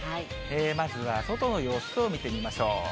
まずは外の様子を見てみましょう。